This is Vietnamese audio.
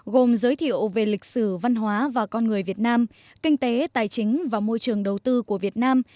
gồm giới thiệu về lịch sử văn hóa và con người việt nam kinh tế tài chính và môi trường đầu tư của việt nam